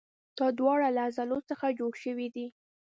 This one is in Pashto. دا دواړه له عضلو څخه جوړ شوي دي.